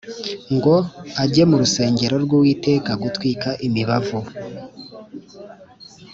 , ngo ajye mu Rusengero rw’Uwiteka gutwika imibavu.